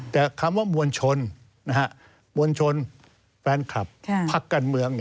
แต่คำว่ามวลชนมวลชนแฟนคลับพักการเมือง